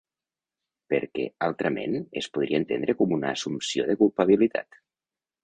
Perquè, altrament, es podria entendre com una assumpció de culpabilitat.